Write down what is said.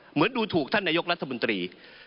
เหมือนดูถูกท่านนายกรัฐมนตรี